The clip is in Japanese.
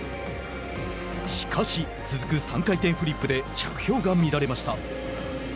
しかし続く３回転フリップで着氷が乱れました。